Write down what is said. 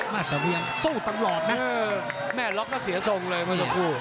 แม่ตะเวียงสู้ตำรอบนะแม่ล็อกก็เสียทรงเลยเมื่อเช่าคู่